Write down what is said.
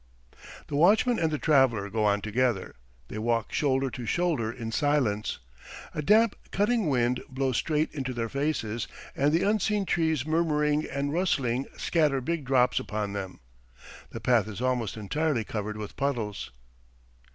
The watchman and the traveller go on together. They walk shoulder to shoulder in silence. A damp, cutting wind blows straight into their faces and the unseen trees murmuring and rustling scatter big drops upon them. ... The path is almost entirely covered with puddles.